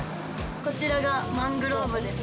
こちらがマングローブです。